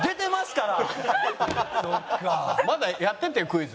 まだやっていってよクイズ。